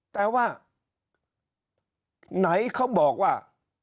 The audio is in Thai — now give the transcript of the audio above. แต่ว่าไหนเขาบอกว่า